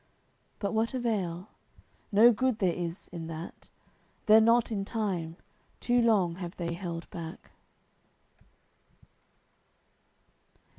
But what avail? No good there is in that; They're not in time; too long have they held back.